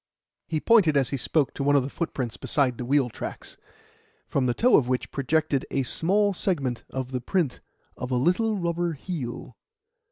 He pointed as he spoke to one of the footprints beside the wheel tracks, from the toe of which projected a small segment of the print of a little rubber heel.